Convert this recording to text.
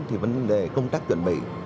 thì vấn đề công tác chuẩn bị